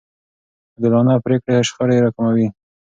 عادلانه پرېکړې شخړې راکموي.